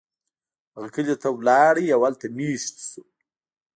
هغه کلی ته لاړ او هلته میشت شو.